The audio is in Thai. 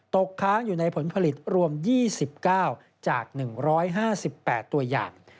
ตกค้างอยู่ในผลผลิตรวม๒๙จาก๑๕๘ตัวอย่าง